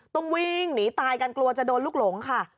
ต้องวิ่งหนีตายกันกลัวจะโดนลูกหลงค่ะ